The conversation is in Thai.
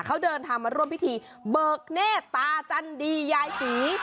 เขาเดินทางมาร่วมพิธีเบิกเนตตาจันดียายศรี